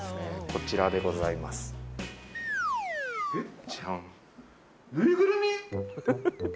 こちらでございますえっ！？